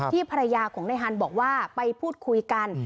ภรรยาของในฮันบอกว่าไปพูดคุยกัน